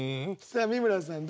さあ美村さん